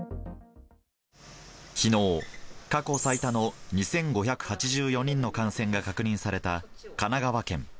きのう、過去最多の２５８４人の感染が確認された神奈川県。